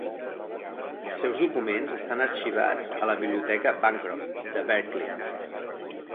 Els seus documents estan arxivats a la biblioteca Bancroft de Berkeley.